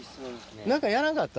何かやらなかった？